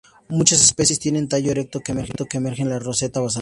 Muchas especies tienen tallo erecto que emerge de la roseta basal.